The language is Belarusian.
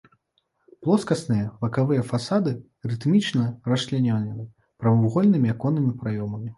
Плоскасныя бакавыя фасады рытмічна расчлянёны прамавугольнымі аконнымі праёмамі.